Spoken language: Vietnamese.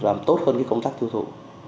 và làm tốt hơn cái công tác thu thụ